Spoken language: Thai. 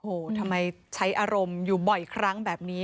โอ้โหทำไมใช้อารมณ์อยู่บ่อยครั้งแบบนี้